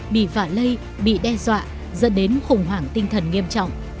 bị phả lây bị đe dọa dẫn đến khủng hoảng tinh thần nghiêm trọng